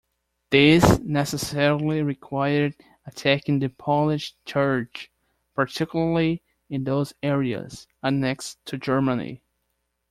This necessarily required attacking the Polish Church, particularly in those areas annexed to Germany.